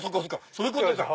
そういうことか。